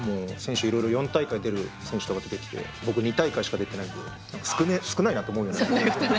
いろいろ４大会出る選手とか出てきて僕２大会しか出てないので少ないなと思うようになりました。